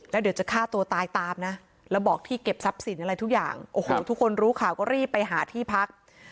แล้วเดี๋ยวจะฆ่าตัวตายตามนะแล้วบอกที่เก็บทรัพย์สินอะไรทุกอย่างโอ้โหทุกคนรู้ข่าวก็รีบไปหาที่พัก